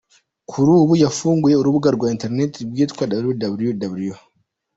Kuri ubu yafunguye urubuga rwa interineti rwitwa www.